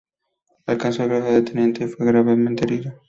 Alcanzó el grado de teniente y fue gravemente herido.